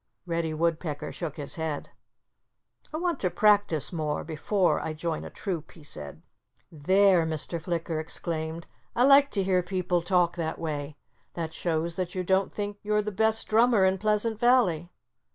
Reddy Woodpecker shook his head. "I want to practice more, before I join a troupe," he said. "There!" Mr. Flicker exclaimed. "I like to hear people talk that way. That shows that you don't think you're the best drummer in Pleasant Valley."